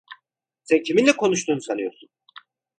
Sen kiminle konuştuğunu sanıyorsun?